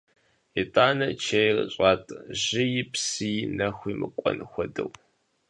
ИтӀанэ чейр щӀатӀэ жьыи, псыи, нэхуи мыкӀуэн хуэдэу.